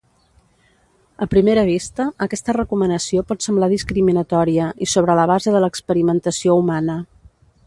A primera vista, aquesta recomanació pot semblar discriminatòria i sobre la base de l'experimentació humana.